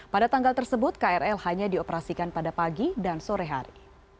pada tanggal tersebut krl hanya dioperasikan pada pagi dan sore hari